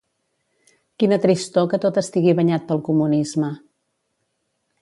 Quina tristor que tot estigui banyat pel consumisme.